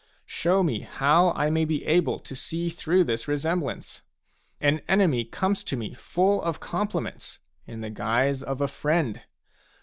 Show me how I may be able to see through this resemblance ! An enemy comes to me full of compliments, in the guise of a friend.